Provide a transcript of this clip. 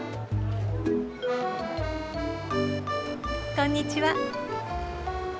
こんにちは。